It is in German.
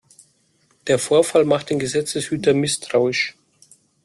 Der Vorfall macht den Gesetzeshüter misstrauisch.